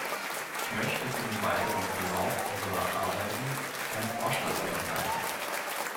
Ich möchte für den weiteren Verlauf unserer Arbeiten einen Vorschlag unterbreiten.